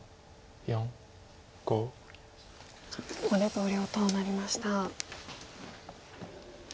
ここで投了となりました。